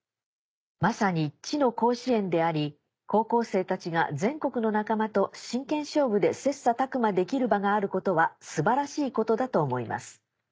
まさに知の甲子園であり高校生たちが全国の仲間と真剣勝負で切磋琢磨できる場があることは素晴らしいことだと思います。